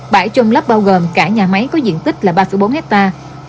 bãi chôm lắp bao gồm cả nhà máy có diện tích là ba bốn hectare